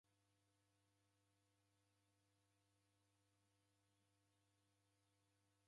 Dedekwana na mka Manyoki ikwau.